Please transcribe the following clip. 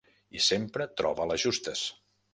I sempre troba les justes.